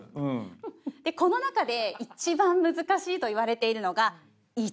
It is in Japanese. この中で一番難しいといわれているのが「一」